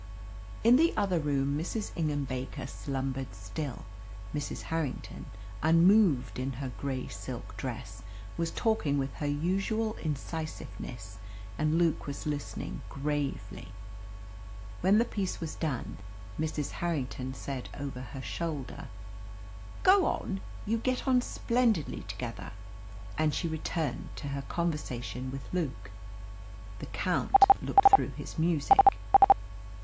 In the other room Mrs. Ingham Baker slumbered still. Mrs. Harrington, unmoved in her grey silk dress, was talking with her usual incisiveness, and Luke was listening gravely. When the piece was done, Mrs. Harrington said over her shoulder "Go on. You get on splendidly together." And she returned to her conversation with Luke. The Count looked through his music.